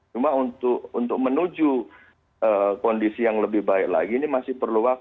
cuma untuk menuju kondisi yang lebih baik lagi ini masih perlu waktu